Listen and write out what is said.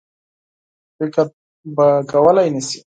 فکر به کولای نه سي.